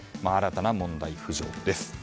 新たな問題浮上です。